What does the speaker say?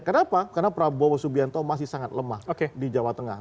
kenapa karena prabowo subianto masih sangat lemah di jawa tengah